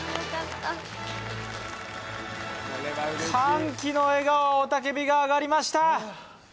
歓喜の笑顔雄たけびがあがりました